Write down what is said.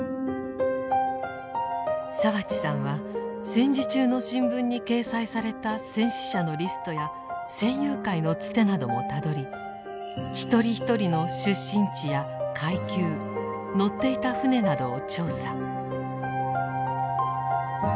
澤地さんは戦時中の新聞に掲載された戦死者のリストや戦友会のつてなどもたどり一人一人の出身地や階級乗っていた艦船などを調査。